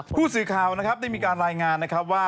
ผู้สื่อข่าวนะครับได้มีการรายงานนะครับว่า